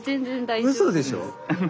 うそでしょう？